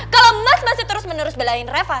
kalau emas masih terus menerus belain reva